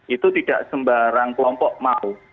itu tidak sembarang kelompok mau